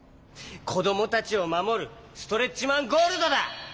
こどもたちをまもるストレッチマン・ゴールドだ！